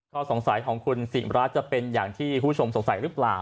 ข้อสงสัยของคุณสิ่งรักษ์จะเป็นอย่างที่ผู้ชมสงสัยรึเปล่า